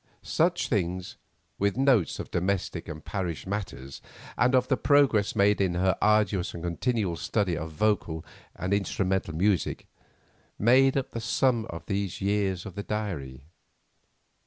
Such things, with notes of domestic and parish matters, and of the progress made in her arduous and continual study of vocal and instrumental music, made up the sum of these years of the diary.